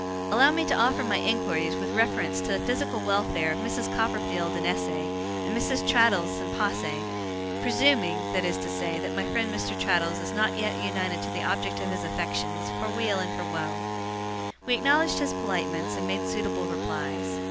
Allow me to offer my inquiries with reference to the physical welfare of Mrs. Copperfield in esse, and Mrs. Traddles in posse, presuming, that is to say, that my friend Mr. Traddles is not yet united to the object of his affections, for weal and for woe.' We acknowledged his politeness, and made suitable replies.